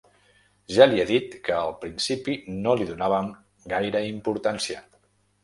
Ja li he dit que al principi no li donàvem gaire importància.